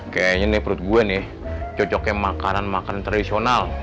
kayaknya nih perut gue nih cocoknya makanan makanan tradisional